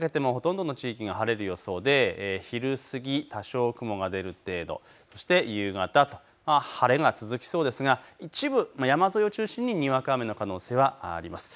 昼前にかけてもほとんどの地域が晴れる予想で昼過ぎ多少雲が出る程度、そして夕方と晴れが続きそうですが、一部山沿いを中心ににわか雨の可能性があります。